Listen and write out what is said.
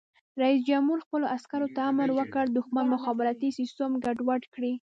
رئیس جمهور خپلو عسکرو ته امر وکړ؛ د دښمن مخابراتي سیسټم ګډوډ کړئ!